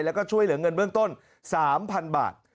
แล้วก็ช่วยเหลือเงินเบื้องต้น๓๐๐๐บาท